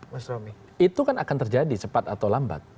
mas romy itu kan akan terjadi cepat atau lambat